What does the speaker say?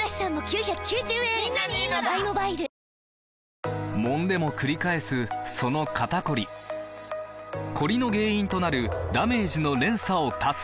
わかるぞもんでもくり返すその肩こりコリの原因となるダメージの連鎖を断つ！